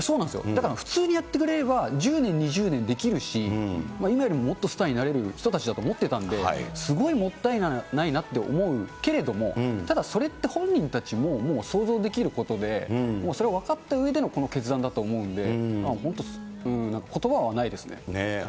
だから普通にやってくれれば１０年、２０年できるし、今よりももっとスターになれる人たちだと思ってたんで、すごいもったいないなって思うけれども、ただ、それって本人たちももう想像できることで、もうそれは分かったうえでの、この決断だと思うんで、本当、なんかことばはないですね。